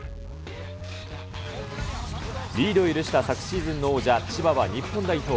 リードを許した昨シーズンの王者、千葉は日本代表